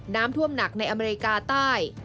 น้ำท่วมหนักในอเมริกาใต้